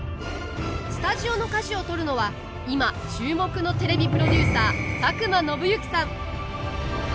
スタジオの舵を取るのは今注目のテレビプロデューサー佐久間宣行さん。